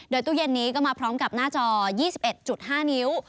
โดยตู้เย็นนี้ก็มาพร้อมกับหน้าจอ๒๑๕นิ้ว